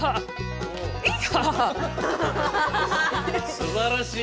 すばらしい！